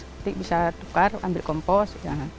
nanti bisa tukar ambil kompos